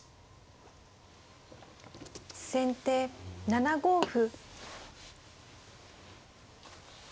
先手７五歩。